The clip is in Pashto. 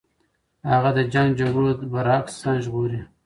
هغه د جنګ جګړو د برعکس ځان ژغوري.